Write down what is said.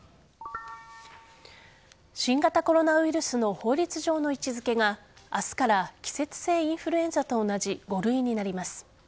新型コロナウイルスの法律上の位置付けが明日から季節性インフルエンザと同じ５類になります。